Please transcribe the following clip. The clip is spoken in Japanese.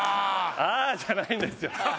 「ああー！」じゃないんですよ。